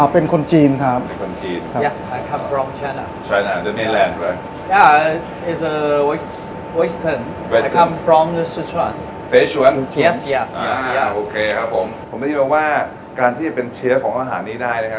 ผมไม่รู้ว่าการที่จะเป็นเชฟของอาหารนี้ได้เลยค่ะ